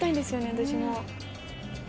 私も。